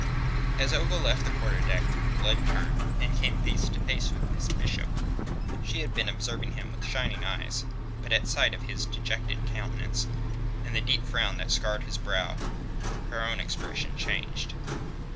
As Ogle left the quarter deck, Blood turned, and came face to face with Miss Bishop. She had been observing him with shining eyes, but at sight of his dejected countenance, and the deep frown that scarred his brow, her own expression changed.